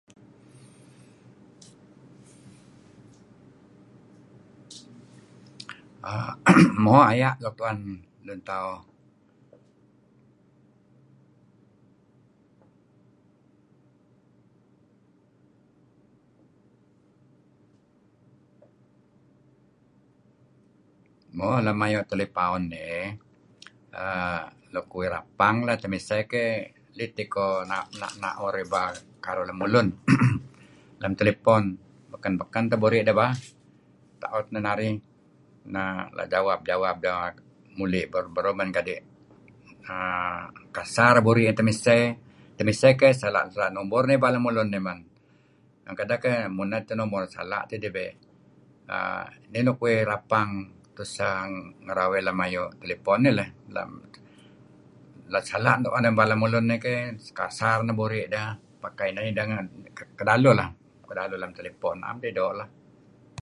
Aaa... hmm.. Mo aya' nuk tu'en lun tauh... Mo lem ayu' telepaun nih, errr... nuk uih rapang lah, temiseh keyh lit teh iko la' na'ur ibal karuh lemulun hmm... lem telepon. Beken-beken teh buri' deh bah. Ta'ut neh narih na' leh jawap-jawap deh muli' beruh, deh men. Kadi' kasar buri' deh temisah. Temisah keyh sala, sala' numur neh ibal lemulun iih men. Iwan kedeh keyh muned teh numur dih. Sala' tidih bey'. Aaa... nih nuk uih rapang tuseh ngerawey lem ayu' telepon nih leyh. La', la' sala' tu'en ibal lemulun keyh. Kasar neh buri' dedih. La' pakai ineh nideh kedaluh lah, kedaluh lem telepon. Na'em dih doo' leyh. nah neh nuk inan kuh rapang lem Ayu telepon nih leyh. Neh nideh kedaluh leh. Na'em kedaluh lem telepon leyh. Na'm dih doo'.